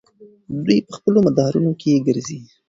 دوی په خپلو مدارونو کې ګرځي.